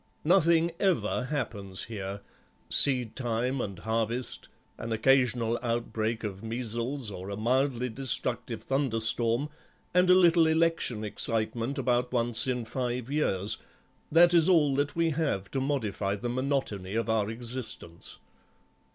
Nothing ever happens here; seedtime and harvest, an occasional outbreak of measles or a mildly destructive thunderstorm, and a little election excitement about once in five years, that is all that we have to modify the monotony of our existence.